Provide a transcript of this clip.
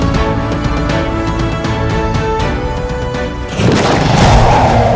dan itu namanya bukan istirahat nih mas